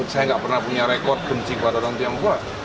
saya nggak pernah punya rekod benci kepada orang tionghoa